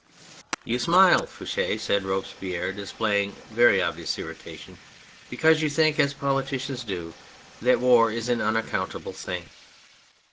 " You smile, Fouche," said Robespierre, displaying very obvious irritation, " because you think, as poli ticians do, that war is an unaccountable thing.